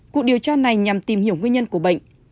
cuộc điều tra này nhằm tìm hiểu nguyên nhân của bệnh